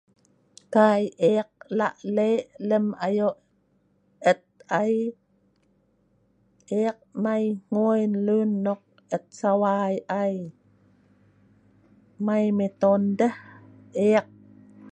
Kai eek lak lek lem ayok et ai, eek mai hngui lun nok et sawai ai, mai meton deh eek.